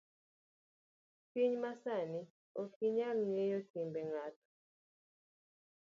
Piny masani okinyal ngeyo timbe ngato